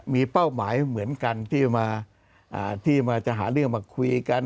มีเป้าหมายเหมือนกันที่จะมาที่มาจะหาเรื่องมาคุยกัน